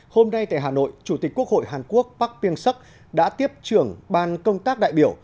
hôm nay tại hà nội chủ tịch quốc hội hàn quốc bác tiên sắc đã tiếp trường ban công tác đại biểu